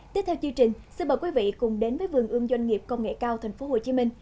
tiếp theo chương trình xin mời quý vị cùng đến với vườn ươm doanh nghiệp công nghệ cao tp hcm